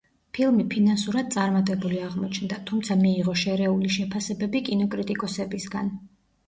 ფილმი ფინანსურად წარმატებული აღმოჩნდა, თუმცა მიიღო შერეული შეფასებები კინოკრიტიკოსებისგან.